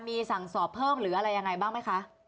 มีสั่งสอบเพิ่มหรืออะไรยังไงบ้างไหมคะ